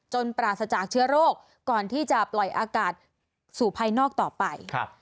ปราศจากเชื้อโรคก่อนที่จะปล่อยอากาศสู่ภายนอกต่อไป